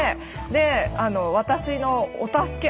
で私のお助け